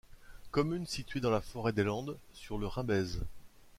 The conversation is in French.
Commune située dans la forêt des Landes sur le Rimbez.